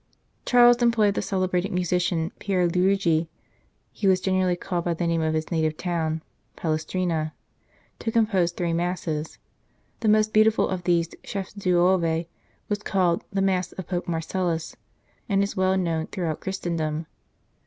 Charles employed the celebrated musician Pier Luigi (he was generally called by the name of his native town, Palestrina) to compose three Masses ; the most beautiful of these chefs d oeuvre was called the " Mass of Pope Marcellus," and is well known throughout Christendom.